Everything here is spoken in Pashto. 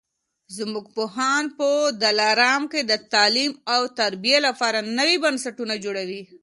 زموږ پوهان په دلارام کي د تعلیم او تربیې لپاره نوي بنسټونه جوړوي